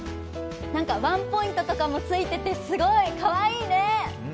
ワンポイントとかもついててすごいかわいいね！